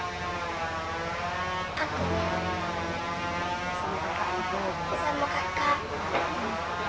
untuk sehari hari apa yang kamu masak